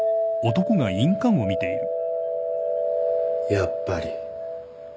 やっぱり。